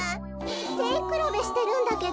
せいくらべしてるんだけど。